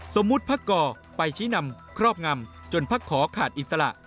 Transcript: สมมุติพักก่อไปชี้นำครอบงำจนพักขอขาดอิสระ